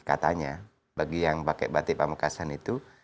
katanya bagi yang pakai batik pamekasan itu